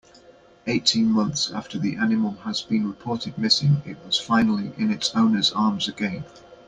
Eighteen months after the animal has been reported missing it was finally in its owner's arms again.